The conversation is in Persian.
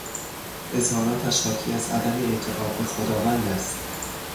اظهاراتش حاکی از عدم اعتقاد به خداوند است.